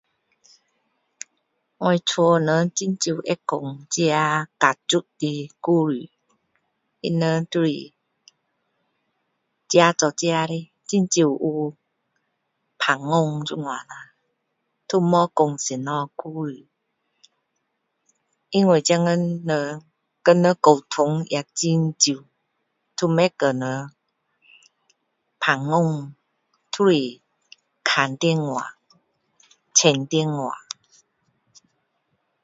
我家人很少会说家族的故事他们就是自己做自己的很少有聊天这样啦都没有说什么故事因为现在人跟人都不会跟人聊天都是看电话玩电话